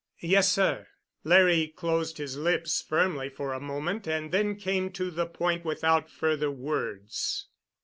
"Yes, sir." Larry closed his lips firmly for a moment, and then came to the point without further words.